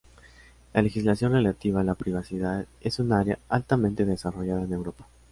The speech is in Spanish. La legislación relativa a la privacidad es un área altamente desarrollada en Europa.